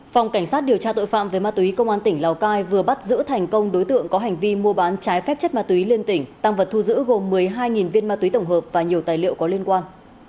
phòng cảnh sát điều tra tội phạm về ma túy công an tỉnh lào cai vừa bắt giữ thành công đối tượng có hành vi mua bán trái phép chất ma túy liên tỉnh tăng vật thu giữ gồm một mươi hai viên ma túy tổng hợp và nhiều tài liệu có liên quan